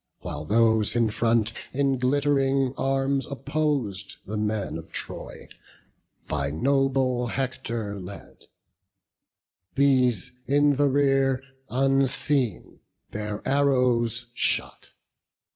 While those, in front, in glitt'ring arms oppos'd The men of Troy, by noble Hector led: These, in the rear, unseen, their arrows shot.